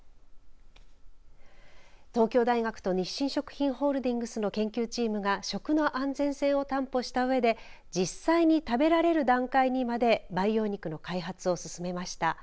東京大学と日清食品ホールディングスの研究チームが食の安全性を担保したうえで実際に食べられる段階にまで培養肉の開発を進めました。